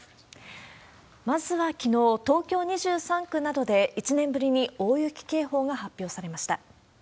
まずは、きのう、東京２３区などで、１年ぶりに大雪警報が発表されました。